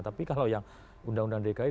tapi kalau yang undang undang perintah itu masih